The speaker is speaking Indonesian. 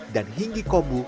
dan hinggi kombu